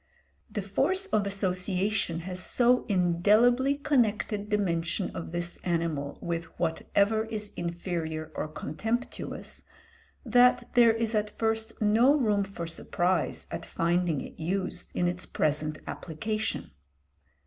The force of association has so indelibly connected the mention of this animal with whatever is inferior or contemptuous, that there is at first no room for surprise at finding it used in its present application.